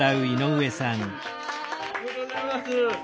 おめでとうございます。